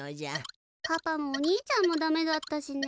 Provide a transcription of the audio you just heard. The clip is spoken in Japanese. パパもお兄ちゃんもダメだったしね。